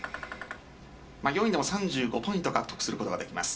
４位でも３５ポイント獲得することができます。